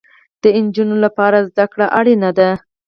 د انجونو لپاره زده کړې اړينې دي